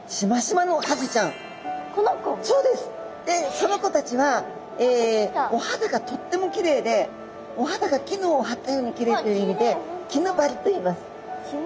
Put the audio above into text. その子たちはお肌がとってもきれいでお肌がきぬを張ったようにきれいという意味でキヌバリといいます。